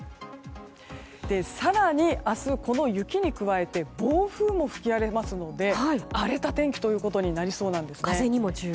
更に明日、この雪に加えて暴風も吹き荒れますので荒れた天気となりそうなんです。